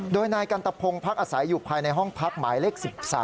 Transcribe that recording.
โดยนายกันตะพงพักอาศัยอยู่ภายในห้องพักหมายเลข๑๓